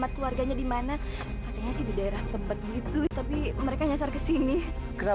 aku bantu masuk ya